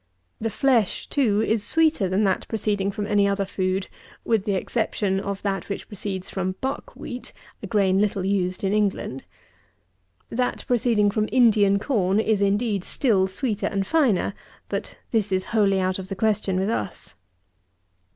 The flesh, too, is sweeter than that proceeding from any other food, with the exception of that which proceeds from buck wheat, a grain little used in England. That proceeding from Indian corn is, indeed, still sweeter and finer; but this is wholly out of the question with us.